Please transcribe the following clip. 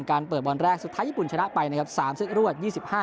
การเปิดบอลแรกสุดท้ายญี่ปุ่นชนะไปนะครับสามซึ่งรวดยี่สิบห้า